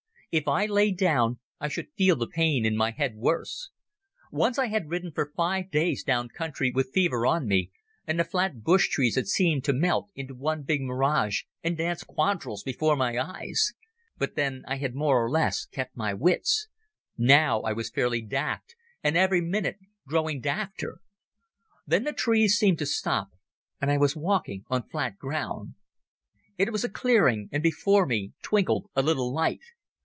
If I lay down I should feel the pain in my head worse. Once I had ridden for five days down country with fever on me and the flat bush trees had seemed to melt into one big mirage and dance quadrilles before my eyes. But then I had more or less kept my wits. Now I was fairly daft, and every minute growing dafter. Then the trees seemed to stop and I was walking on flat ground. It was a clearing, and before me twinkled a little light.